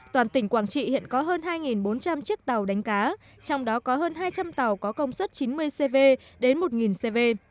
toàn tỉnh quảng trị hiện có hơn hai bốn trăm linh chiếc tàu đánh cá trong đó có hơn hai trăm linh tàu có công suất chín mươi cv đến một cv